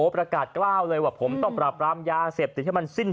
ประกาศกล้าวเลยว่าผมต้องปราบรามยาเสพติดให้มันสิ้น